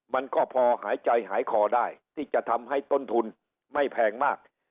มันก็พอหายใจหายคอได้ที่จะทำให้ต้นทุนไม่แพงมาก